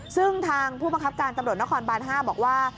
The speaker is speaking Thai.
ซึ่งทางผู้บังคับการตำรวจนครบาน๕บอกว่า